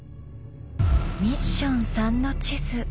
ミッション３の地図。